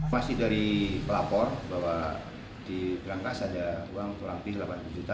masih dari pelapor bahwa di berangkas ada uang kurang lebih delapan puluh juta